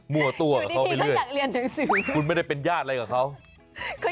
มั่วตัวกับเขาไปเรื่อยคุณไม่ได้เป็นญาติอะไรกับเขาอยากเรียนหนังสือ